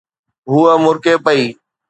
ھوءَ مُرڪي پئي.